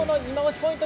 ポイント